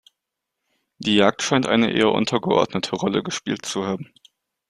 Die Jagd scheint eher eine untergeordnete Rolle gespielt zu haben.